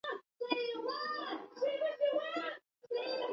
北京大学工学院将采取与国际先进大学教育体制接轨的管理模式。